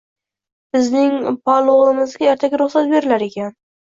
Bizning pol o`g`limizga ertaga ruxsat berilar ekan